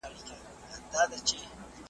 او زموږ ولسونه د «حاشیوي»